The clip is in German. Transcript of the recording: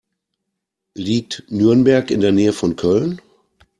Liegt Nürnberg in der Nähe von Köln?